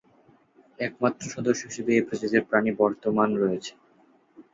একমাত্র সদস্য হিসেবে এ প্রজাতির প্রাণী বর্তমান রয়েছে।